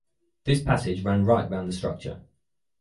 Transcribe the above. This passage ran right round the structure.